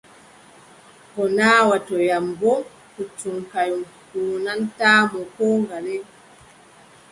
Ko naawotoyam boo, puccu kanyum huuwwantaamo koo ngale.